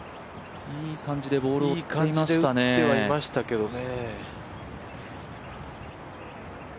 いい感じで打ってはいましたけどね。